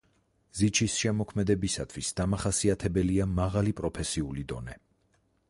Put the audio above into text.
ზიჩის შემოქმედებისათვის დამახასიათებელია მაღალი პროფესიული დონე.